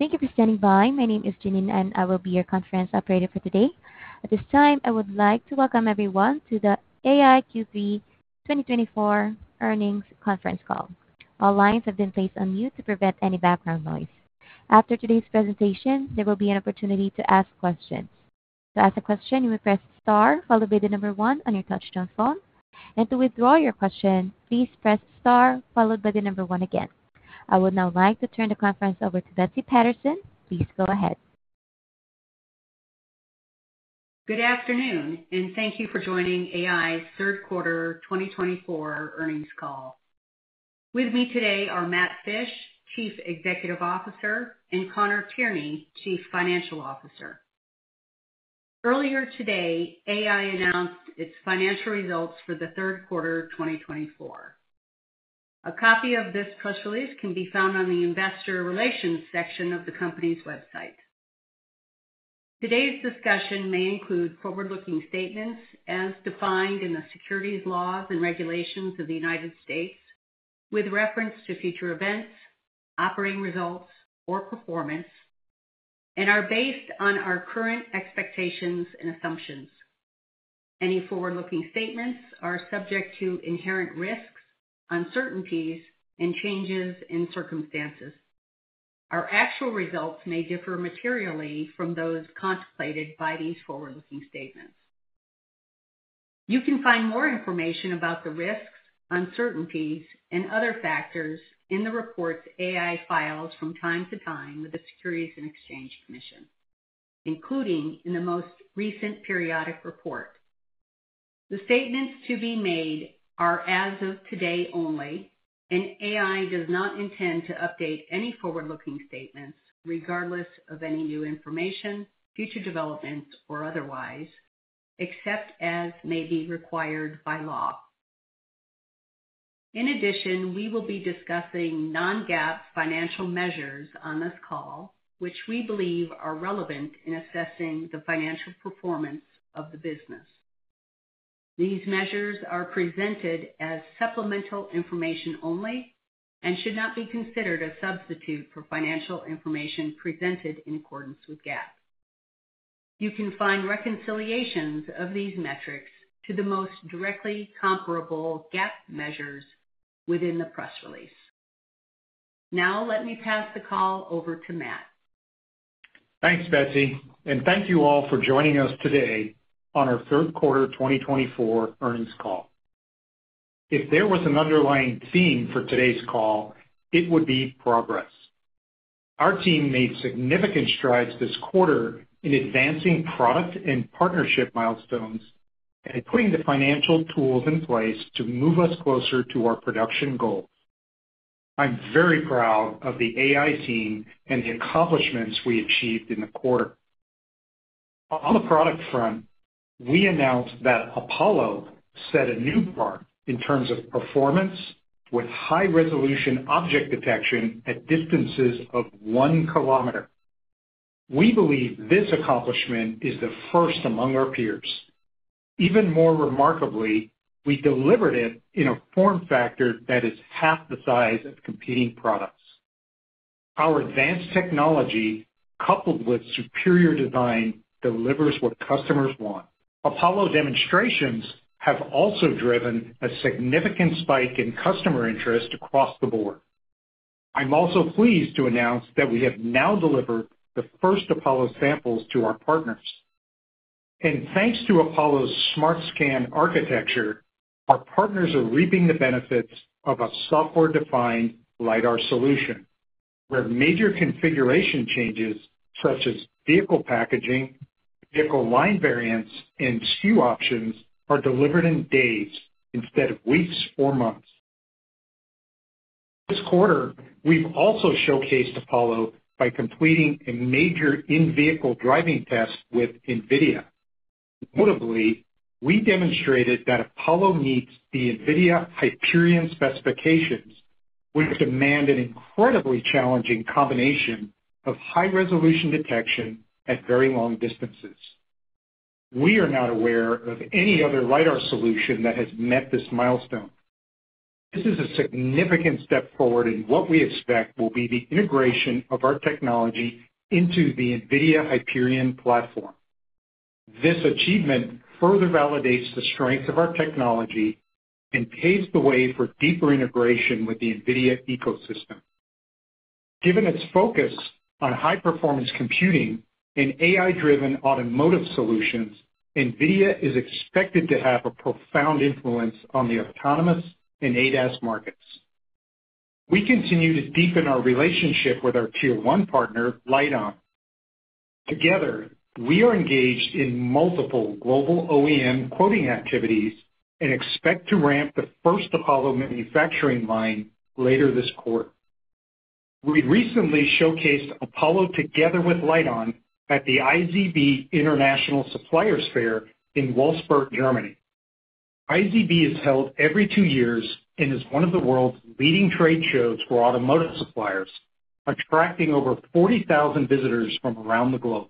Thank you for standing by. My name is Janine, and I will be your conference operator for today. At this time, I would like to welcome everyone to the AEye Q3 2024 earnings conference call. All lines have been placed on mute to prevent any background noise. After today's presentation, there will be an opportunity to ask questions. To ask a question, you may press star followed by the number one on your touch-tone phone, and to withdraw your question, please press star followed by the number one again. I would now like to turn the conference over to Betsy Patterson. Please go ahead. Good afternoon, and thank you for joining AEye's third quarter 2024 earnings call. With me today are Matt Fisch, Chief Executive Officer, and Conor Tierney, Chief Financial Officer. Earlier today, AEye announced its financial results for the third quarter 2024. A copy of this press release can be found on the investor relations section of the company's website. Today's discussion may include forward-looking statements as defined in the securities laws and regulations of the United States, with reference to future events, operating results, or performance, and are based on our current expectations and assumptions. Any forward-looking statements are subject to inherent risks, uncertainties, and changes in circumstances. Our actual results may differ materially from those contemplated by these forward-looking statements. You can find more information about the risks, uncertainties, and other factors in the reports AEye files from time to time with the Securities and Exchange Commission, including in the most recent periodic report. The statements to be made are as of today only, and AEye does not intend to update any forward-looking statements regardless of any new information, future developments, or otherwise, except as may be required by law. In addition, we will be discussing non-GAAP financial measures on this call, which we believe are relevant in assessing the financial performance of the business. These measures are presented as supplemental information only and should not be considered a substitute for financial information presented in accordance with GAAP. You can find reconciliations of these metrics to the most directly comparable GAAP measures within the press release. Now, let me pass the call over to Matt. Thanks, Betsy, and thank you all for joining us today on our third quarter 2024 earnings call. If there was an underlying theme for today's call, it would be progress. Our team made significant strides this quarter in advancing product and partnership milestones and putting the financial tools in place to move us closer to our production goals. I'm very proud of the AEye team and the accomplishments we achieved in the quarter. On the product front, we announced that Apollo set a new mark in terms of performance with high-resolution object detection at distances of one kilometer. We believe this accomplishment is the first among our peers. Even more remarkably, we delivered it in a form factor that is half the size of competing products. Our advanced technology, coupled with superior design, delivers what customers want. Apollo demonstrations have also driven a significant spike in customer interest across the board. I'm also pleased to announce that we have now delivered the first Apollo samples to our partners. And thanks to Apollo's SmartScan architecture, our partners are reaping the benefits of a software-defined LiDAR solution, where major configuration changes such as vehicle packaging, vehicle line variants, and SKU options are delivered in days instead of weeks or months. This quarter, we've also showcased Apollo by completing a major in-vehicle driving test with NVIDIA. Notably, we demonstrated that Apollo meets the NVIDIA Hyperion specifications, which demand an incredibly challenging combination of high-resolution detection at very long distances. We are not aware of any other LiDAR solution that has met this milestone. This is a significant step forward in what we expect will be the integration of our technology into the NVIDIA Hyperion platform. This achievement further validates the strength of our technology and paves the way for deeper integration with the NVIDIA ecosystem. Given its focus on high-performance computing and AI-driven automotive solutions, NVIDIA is expected to have a profound influence on the autonomous and ADAS markets. We continue to deepen our relationship with our Tier 1 partner, LITEON. Together, we are engaged in multiple global OEM quoting activities and expect to ramp the first Apollo manufacturing line later this quarter. We recently showcased Apollo together with LITEON at the IZB International Suppliers Fair in Wolfsburg, Germany. IZB is held every two years and is one of the world's leading trade shows for automotive suppliers, attracting over 40,000 visitors from around the globe.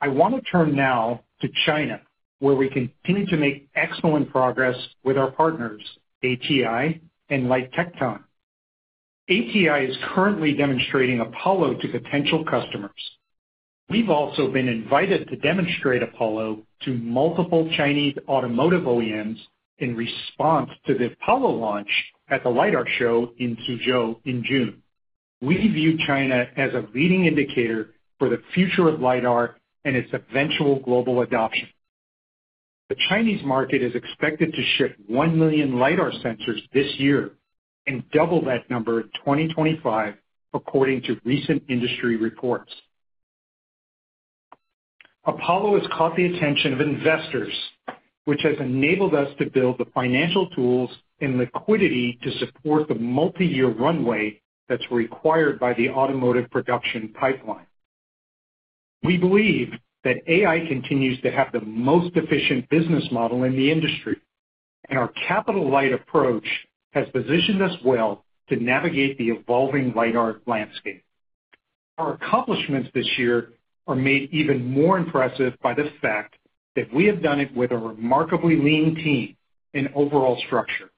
I want to turn now to China, where we continue to make excellent progress with our partners, ATI and LITEON. ATI is currently demonstrating Apollo to potential customers. We've also been invited to demonstrate Apollo to multiple Chinese automotive OEMs in response to the Apollo launch at the LiDAR show in Suzhou in June. We view China as a leading indicator for the future of LiDAR and its eventual global adoption. The Chinese market is expected to ship one million LiDAR sensors this year and double that number in 2025, according to recent industry reports. Apollo has caught the attention of investors, which has enabled us to build the financial tools and liquidity to support the multi-year runway that's required by the automotive production pipeline. We believe that AEye continues to have the most efficient business model in the industry, and our capital-light approach has positioned us well to navigate the evolving LiDAR landscape. Our accomplishments this year are made even more impressive by the fact that we have done it with a remarkably lean team and overall structure.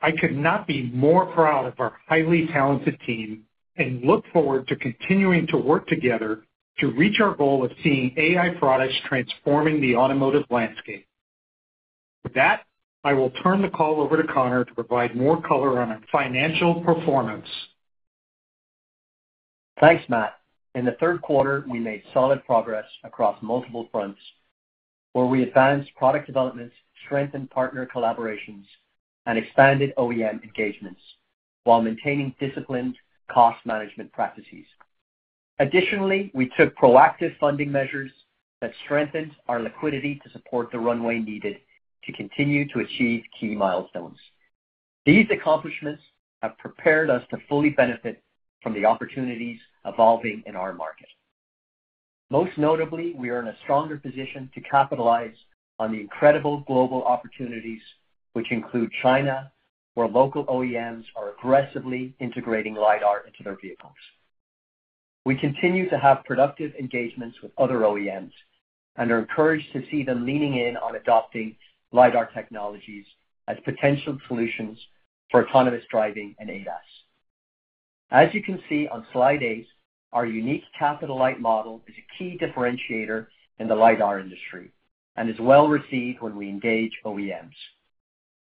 I could not be more proud of our highly talented team and look forward to continuing to work together to reach our goal of seeing AEye products transforming the automotive landscape. With that, I will turn the call over to Conor to provide more color on our financial performance. Thanks, Matt. In the third quarter, we made solid progress across multiple fronts, where we advanced product developments, strengthened partner collaborations, and expanded OEM engagements while maintaining disciplined cost management practices. Additionally, we took proactive funding measures that strengthened our liquidity to support the runway needed to continue to achieve key milestones. These accomplishments have prepared us to fully benefit from the opportunities evolving in our market. Most notably, we are in a stronger position to capitalize on the incredible global opportunities, which include China, where local OEMs are aggressively integrating LiDAR into their vehicles. We continue to have productive engagements with other OEMs and are encouraged to see them leaning in on adopting LiDAR technologies as potential solutions for autonomous driving and ADAS. As you can see on slide eight, our unique capital-light model is a key differentiator in the LiDAR industry and is well received when we engage OEMs.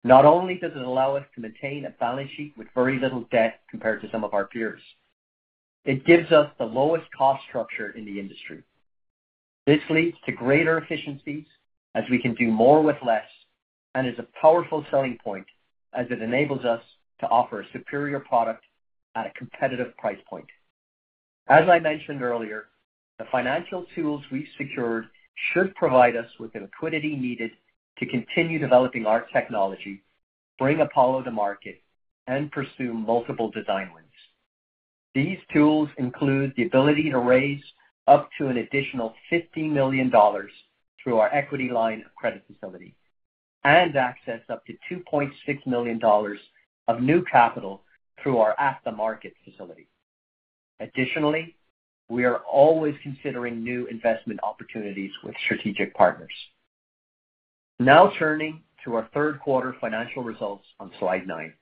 Not only does it allow us to maintain a balance sheet with very little debt compared to some of our peers. It gives us the lowest cost structure in the industry. This leads to greater efficiencies as we can do more with less and is a powerful selling point as it enables us to offer a superior product at a competitive price point. As I mentioned earlier, the financial tools we've secured should provide us with the liquidity needed to continue developing our technology, bring Apollo to market, and pursue multiple design wins. These tools include the ability to raise up to an additional $50 million through our equity line of credit facility and access up to $2.6 million of new capital through our at-the-market facility. Additionally, we are always considering new investment opportunities with strategic partners. Now turning to our third quarter financial results on slide nine,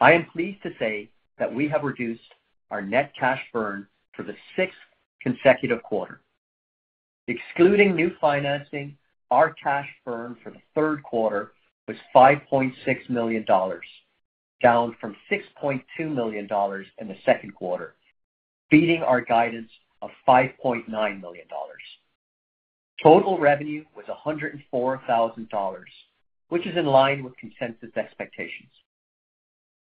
I am pleased to say that we have reduced our net cash burn for the sixth consecutive quarter. Excluding new financing, our cash burn for the third quarter was $5.6 million, down from $6.2 million in the second quarter, beating our guidance of $5.9 million. Total revenue was $104,000, which is in line with consensus expectations.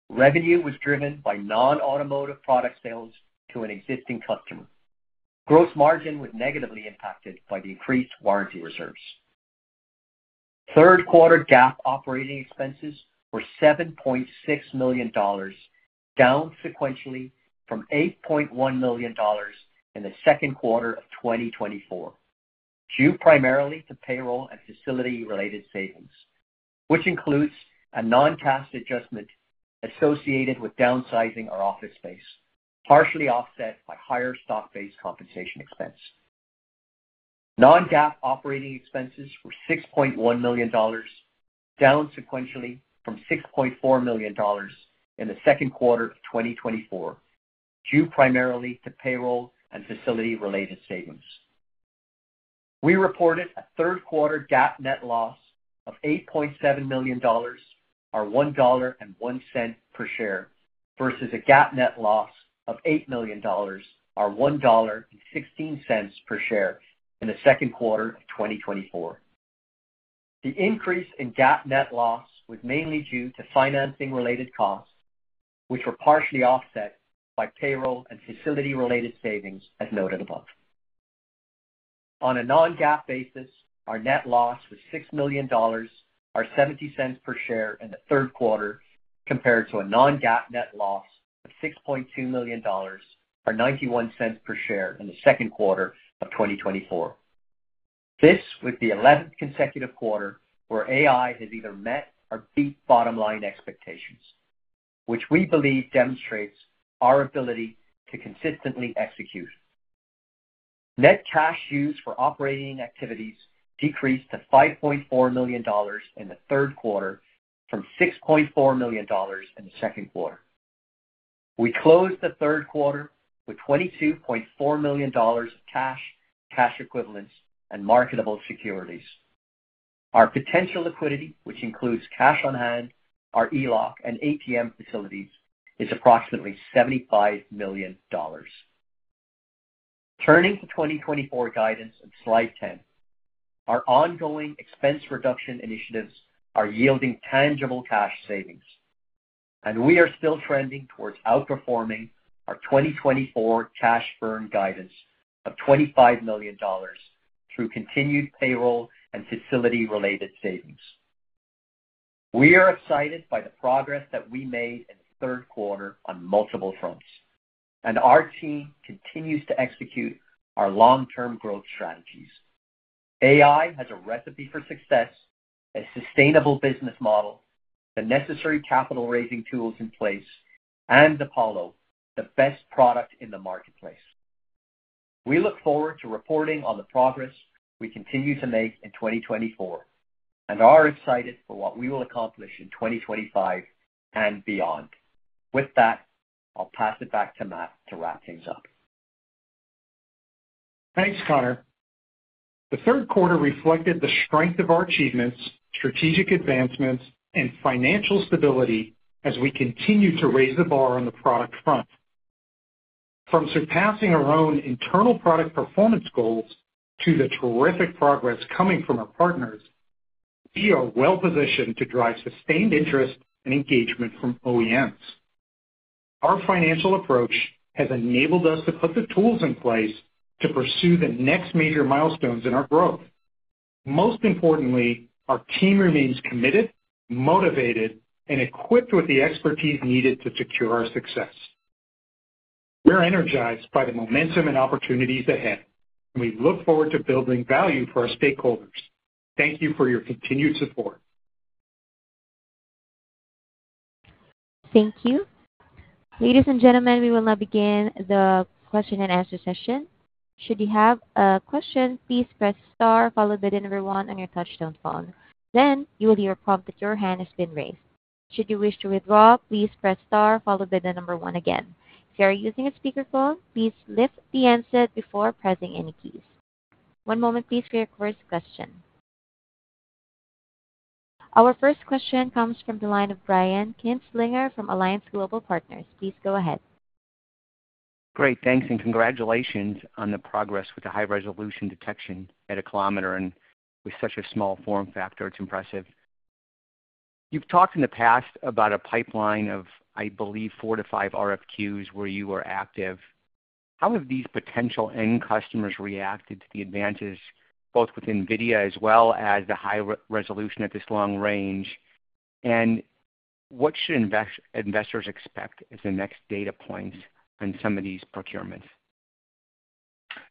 Revenue was driven by non-automotive product sales to an existing customer. Gross margin was negatively impacted by the increased warranty reserves. Third quarter GAAP operating expenses were $7.6 million, down sequentially from $8.1 million in the second quarter of 2024, due primarily to payroll and facility-related savings, which includes a non-cash adjustment associated with downsizing our office space, partially offset by higher stock-based compensation expense. Non-GAAP operating expenses were $6.1 million, down sequentially from $6.4 million in the second quarter of 2024, due primarily to payroll and facility-related savings. We reported a third quarter GAAP net loss of $8.7 million, or $1.01 per share, versus a GAAP net loss of $8 million, or $1.16 per share in the second quarter of 2024. The increase in GAAP net loss was mainly due to financing-related costs, which were partially offset by payroll and facility-related savings, as noted above. On a non-GAAP basis, our net loss was $6 million or $0.70 per share in the third quarter, compared to a non-GAAP net loss of $6.2 million or $0.91 per share in the second quarter of 2024. This was the 11th consecutive quarter where AEye has either met or beat bottom-line expectations, which we believe demonstrates our ability to consistently execute. Net cash used for operating activities decreased to $5.4 million in the third quarter from $6.4 million in the second quarter. We closed the third quarter with $22.4 million of cash, cash equivalents, and marketable securities. Our potential liquidity, which includes cash on hand, our ELOC, and ATM facilities, is approximately $75 million. Turning to 2024 guidance and slide 10, our ongoing expense reduction initiatives are yielding tangible cash savings, and we are still trending towards outperforming our 2024 cash burn guidance of $25 million through continued payroll and facility-related savings. We are excited by the progress that we made in the third quarter on multiple fronts, and our team continues to execute our long-term growth strategies. AEye has a recipe for success, a sustainable business model, the necessary capital-raising tools in place, and Apollo, the best product in the marketplace. We look forward to reporting on the progress we continue to make in 2024 and are excited for what we will accomplish in 2025 and beyond. With that, I'll pass it back to Matt to wrap things up. Thanks, Conor. The third quarter reflected the strength of our achievements, strategic advancements, and financial stability as we continue to raise the bar on the product front. From surpassing our own internal product performance goals to the terrific progress coming from our partners, we are well positioned to drive sustained interest and engagement from OEMs. Our financial approach has enabled us to put the tools in place to pursue the next major milestones in our growth. Most importantly, our team remains committed, motivated, and equipped with the expertise needed to secure our success. We're energized by the momentum and opportunities ahead, and we look forward to building value for our stakeholders. Thank you for your continued support. Thank you. Ladies and gentlemen, we will now begin the question and answer session. Should you have a question, please press star, followed by the number one on your touch-tone phone. Then you will hear a prompt that your hand has been raised. Should you wish to withdraw, please press star, followed by the number one again. If you are using a speakerphone, please lift the handset before pressing any keys. One moment, please, for your first question. Our first question comes from the line of Brian Kinstlinger from Alliance Global Partners. Please go ahead. Great. Thanks, and congratulations on the progress with the high-resolution detection at a kilometer and with such a small form factor. It's impressive. You've talked in the past about a pipeline of, I believe, four to five RFQs where you are active. How have these potential end customers reacted to the advances, both with NVIDIA as well as the high resolution at this long range? And what should investors expect as the next data points on some of these procurements?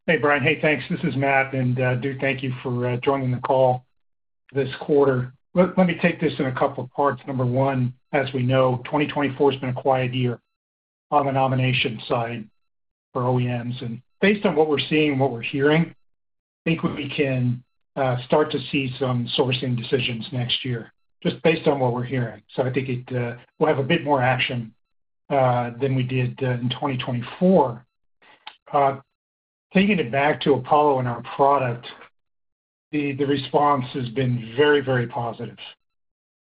Hey, Brian. Hey, thanks. This is Matt, and I do thank you for joining the call this quarter. Let me take this in a couple of parts. Number one, as we know, 2024 has been a quiet year on the nomination side for OEMs, and based on what we're seeing and what we're hearing, I think we can start to see some sourcing decisions next year, just based on what we're hearing, so I think we'll have a bit more action than we did in 2024. Taking it back to Apollo and our product, the response has been very, very positive.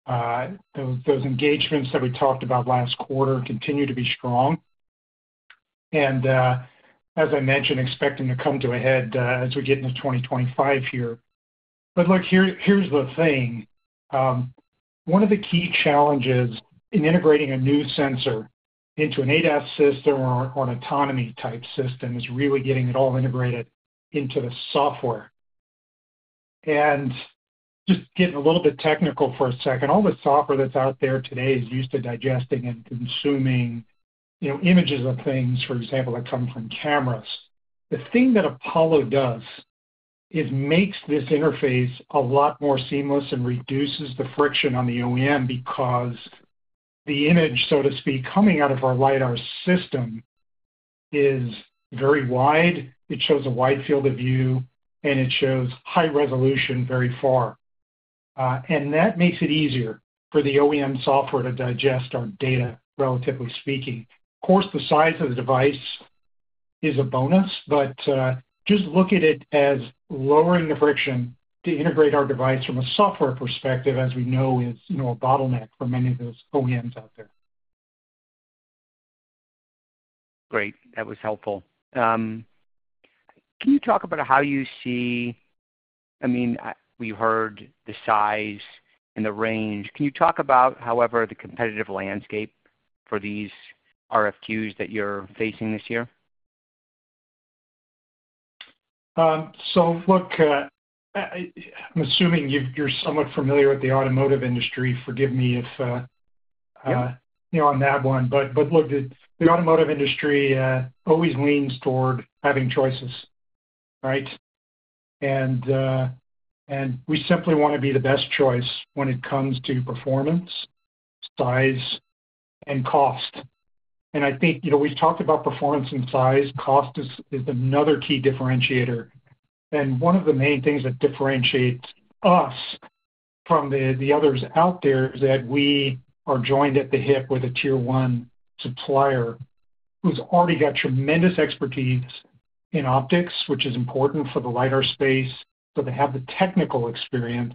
Those engagements that we talked about last quarter continue to be strong, and as I mentioned, expecting to come to a head as we get into 2025 here, but look, here's the thing. One of the key challenges in integrating a new sensor into an ADAS system or an autonomy-type system is really getting it all integrated into the software, and just getting a little bit technical for a second, all the software that's out there today is used to digesting and consuming images of things, for example, that come from cameras. The thing that Apollo does is makes this interface a lot more seamless and reduces the friction on the OEM because the image, so to speak, coming out of our LiDAR system is very wide. It shows a wide field of view, and it shows high resolution very far, and that makes it easier for the OEM software to digest our data, relatively speaking. Of course, the size of the device is a bonus, but just look at it as lowering the friction to integrate our device from a software perspective, as we know is a bottleneck for many of those OEMs out there. Great. That was helpful. Can you talk about how you see—I mean, we've heard the size and the range. Can you talk about, however, the competitive landscape for these RFQs that you're facing this year? So look, I'm assuming you're somewhat familiar with the automotive industry. Forgive me if you're on that one. But look, the automotive industry always leans toward having choices, right? And we simply want to be the best choice when it comes to performance, size, and cost. And I think we've talked about performance and size. Cost is another key differentiator. And one of the main things that differentiates us from the others out there is that we are joined at the hip with a tier-one supplier who's already got tremendous expertise in optics, which is important for the LiDAR space. So they have the technical experience,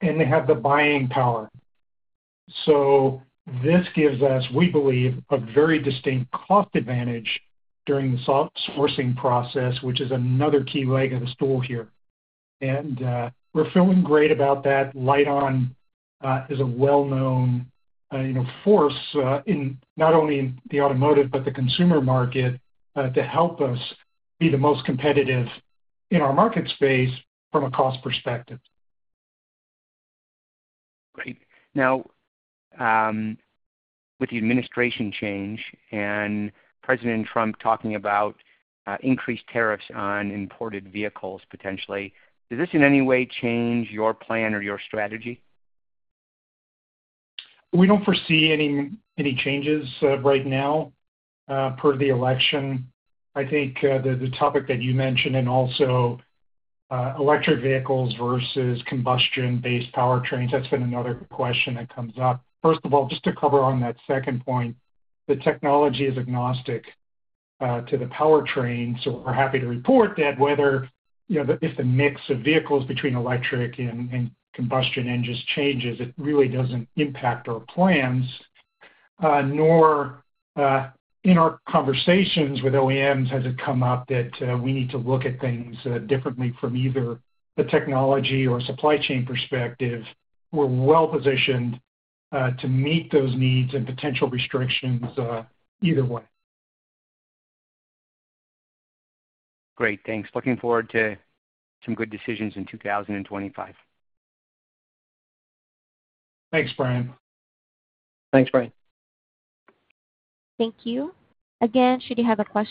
and they have the buying power. So this gives us, we believe, a very distinct cost advantage during the sourcing process, which is another key leg of the stool here. And we're feeling great about that. LITEON is a well-known force, not only in the automotive but the consumer market, to help us be the most competitive in our market space from a cost perspective. Great. Now, with the administration change and President Trump talking about increased tariffs on imported vehicles potentially, does this in any way change your plan or your strategy? We don't foresee any changes right now per the election. I think the topic that you mentioned and also electric vehicles versus combustion-based powertrains, that's been another question that comes up. First of all, just to cover on that second point, the technology is agnostic to the powertrain. So we're happy to report that whether if the mix of vehicles between electric and combustion engines changes, it really doesn't impact our plans, nor in our conversations with OEMs has it come up that we need to look at things differently from either the technology or supply chain perspective. We're well positioned to meet those needs and potential restrictions either way. Great. Thanks. Looking forward to some good decisions in 2025. Thanks, Brian. Thanks, Brian. Thank you. Again, should you have a plan.